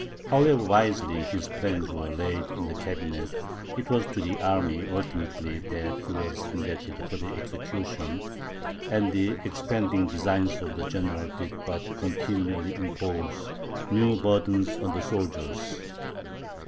However wisely his plans were laid in the cabinet, it was to the army ultimately that he was indebted for their execution; and the expanding designs of the general did but continually impose new burdens on the soldiers.